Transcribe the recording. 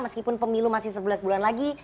meskipun pemilu masih sebelas bulan lagi